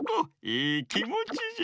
いいきもちじゃ。